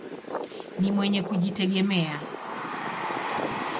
Ni mwenye kujitegemea.